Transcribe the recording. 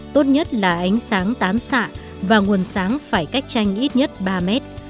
tốt nhất là ánh sáng tán xạ và nguồn sáng phải cách tranh ít nhất ba mét